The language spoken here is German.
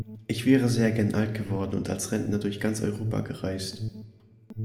Ich wäre sehr gern alt geworden und als Rentner durch ganz Europa gereist!